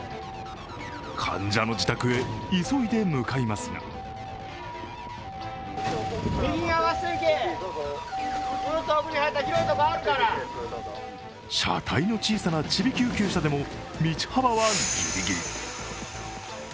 患者の自宅へ急いで向かいますが車体の小さなちび救急車でも道幅はギリギリ。